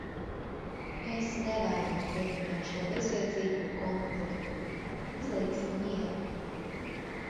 Es nevēlos turpināt šo bezjēdzīgo konfliktu. Izlīgsim mieru!